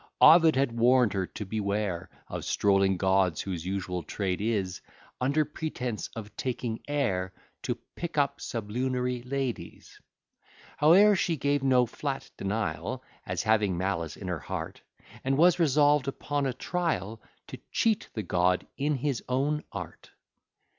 Ovid had warn'd her to beware Of strolling gods, whose usual trade is, Under pretence of taking air, To pick up sublunary ladies. Howe'er, she gave no flat denial, As having malice in her heart; And was resolv'd upon a trial, To cheat the god in his own art.